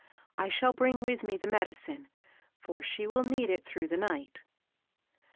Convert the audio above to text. I shall bring with me the medicine, for she wiH need it through the night."